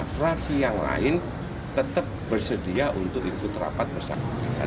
fraksi yang lain tetap bersedia untuk ikut rapat bersama kita